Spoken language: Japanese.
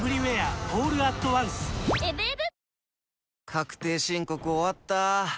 確定申告終わった。